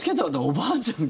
おばあちゃん